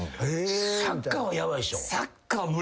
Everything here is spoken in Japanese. サッカーはヤバいでしょ。